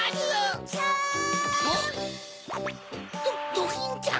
・ドキンちゃん。